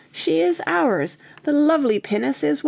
she is ours! The lovely pinnace is won!